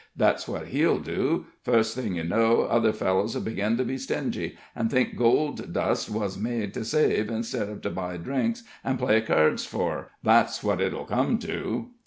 That's what he'll do fust thing yer know, other fellers'll begin to be stingy, an' think gold dust wuz made to save instid uv to buy drinks an' play keards fur. That's what it'll come to."